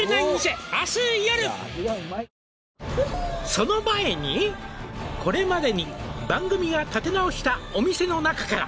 「その前にこれまでに番組が立て直したお店の中から」